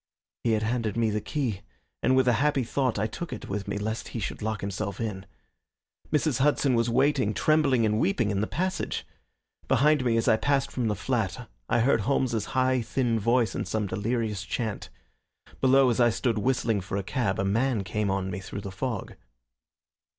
He had handed me the key, and with a happy thought I took it with me lest he should lock himself in. Mrs. Hudson was waiting, trembling and weeping, in the passage. Behind me as I passed from the flat I heard Holmes's high, thin voice in some delirious chant. Below, as I stood whistling for a cab, a man came on me through the fog.